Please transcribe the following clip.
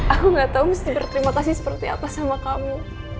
aku gak tau mesti berterima kasih seperti apa sama kamu